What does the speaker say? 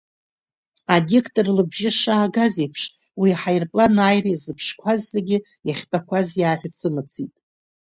Адиктор лыбжьы шаагаз еиԥш, уи аҳаирплан ааира иазыԥшқәаз зегьы, иахьтәақәаз, иааҳәыцы-мыцит.